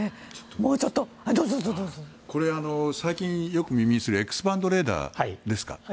最近、耳にするエクスパンドレーダーですか？